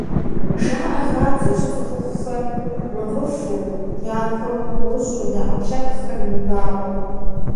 Жаӏэ хабзэщ цӏыхухъухэр мыгъыфу, ягухэр гъущӏу я ӏэпкълъэпкъхэр мываэу…